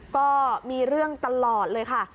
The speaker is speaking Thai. ก็มีเรื่องตลอดเลยค่ะ